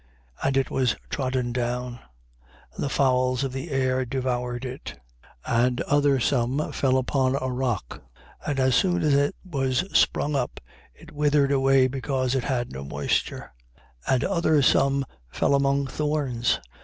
And it was trodden down: and the fowls of the air devoured it. 8:6. And other some fell upon a rock. And as soon as it was sprung up, it withered away, because it had no moisture. 8:7. And other some fell among thorns.